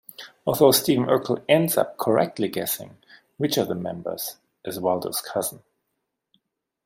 Although Steve Urkel ends up correctly guessing which of the members is Waldo's cousin.